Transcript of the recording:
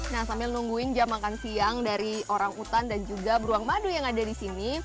nah sambil nungguin jam makan siang dari orang utan dan juga beruang madu yang ada di sini